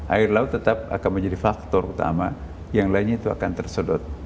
air laut tetap akan menjadi faktor utama yang lainnya itu akan tersedot